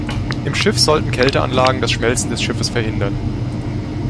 Im Schiff sollten Kälteanlagen das Schmelzen des Schiffes verhindern.